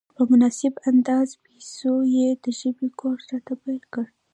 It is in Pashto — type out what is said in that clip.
په مناسبه اندازه پیسو یې د ژبې کورس راته پېل کړ.